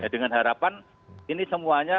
dengan harapan ini semuanya